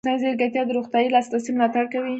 مصنوعي ځیرکتیا د روغتیايي لاسرسي ملاتړ کوي.